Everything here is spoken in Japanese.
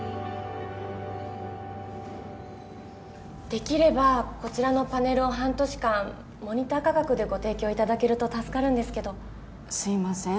できればこちらのパネルを半年間モニター価格でご提供いただけると助かるんですけどすいません